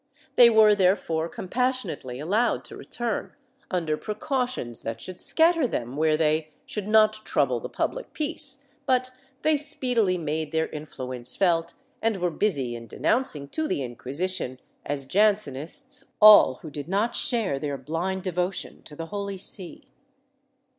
They were therefore compassionately allowed to return, under precautions that should scatter them where they should not trouble the public peace, but they speedily made their influence felt, and were busy in denouncing to the Inquisition as Jansenists all who did not share their blind devotion to the Holy See.